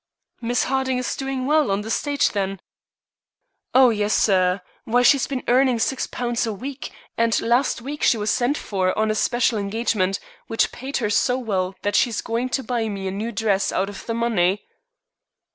"Miss Harding is doing well on the stage, then?" "Oh yes, sir. Why, she's been earning £6 a week, and last week she was sent for on a special engagement, which paid her so well that she's going to buy me a new dress out of the money."